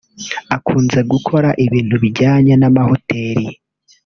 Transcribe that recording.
Akunze gukora ibintu bijyanye n’amahoteli